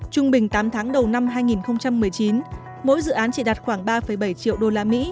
trung bình tám tháng đầu năm hai nghìn một mươi chín mỗi dự án chỉ đạt khoảng ba bảy triệu usd